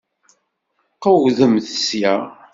Qewwdemt sya!